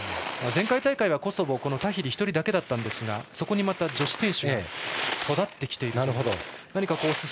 前回大会はコソボはタヒリ１人だけだったんですがそこにまた女子選手が育ってきているという。